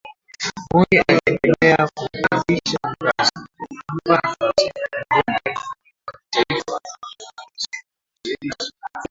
Moi aliendelea kumpandisha ngazi kwa kumpa nafasi ya mbunge wa kitaifa na waziri msaidizi